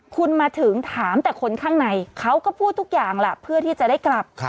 คุณมาถึงถามแต่คนข้างในเขาก็พูดทุกอย่างแหละเพื่อที่จะได้กลับ